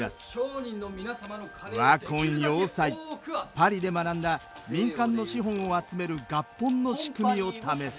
パリで学んだ民間の資本を集める合本の仕組みを試す。